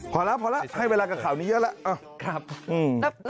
พอแล้วพอแล้วให้เวลากับข่าวนี้เยอะแล้ว